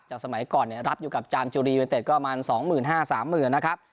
จากสมัยก่อนรับอยู่กับจามจุรียุโรยเต็ดก็ประมาณ๒๕๐๐๐๓๐๐๐๐บาท